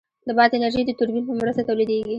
د باد انرژي د توربین په مرسته تولیدېږي.